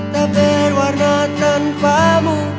tak berwarna tanpamu